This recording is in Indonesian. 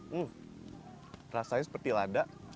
hmm rasanya seperti lada